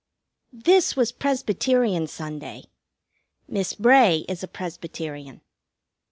This was Presbyterian Sunday. Miss Bray is a Presbyterian.